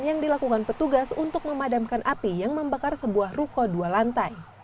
yang dilakukan petugas untuk memadamkan api yang membakar sebuah ruko dua lantai